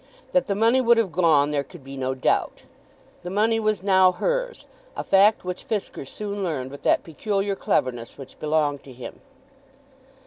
That the money would have gone there could be no doubt. The money was now hers, a fact which Fisker soon learned with that peculiar cleverness which belonged to him.